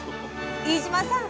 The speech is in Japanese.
飯島さん